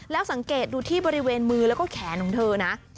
แล้วสังเกตดูที่บริเวณมือแล้วก็แขนของเธอนะ